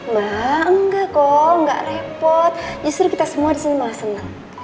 mbak enggak kok enggak repot justru kita semua di sini malah senang